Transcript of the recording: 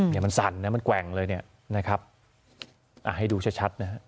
นี่มันสั่นมันแกว่งเลยให้ดูชัดนะฮะ